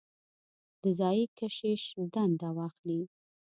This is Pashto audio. د ځايي کشیش دنده واخلي.